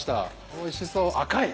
おいしそう赤い。